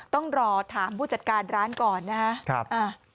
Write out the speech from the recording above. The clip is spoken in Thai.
ต้องรอถามผู้จัดการร้านก่อนนะครับ